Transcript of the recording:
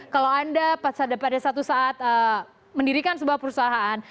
kalau anda pada satu saat mendirikan sebuah perusahaan